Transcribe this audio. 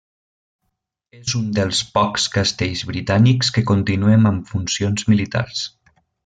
És un dels pocs castells britànics que continuen amb funcions militars.